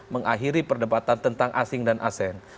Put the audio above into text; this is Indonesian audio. mengakhiri perdebatan tentang asing dan asean